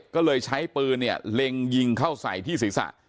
ก็เลยใช้ปืนเนี่ยเล็งยิงเข้าใส่ที่ศีรษะ